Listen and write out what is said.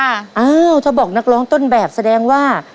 อ้าวถ้าบอกนักร้องต้นแบบแสดงว่า